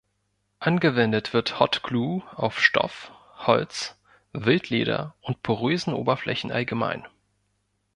Angewendet wird Hot-Glue auf Stoff, Holz, Wildleder und porösen Oberflächen allgemein.